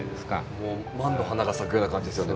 もう万の花が咲くような感じですよね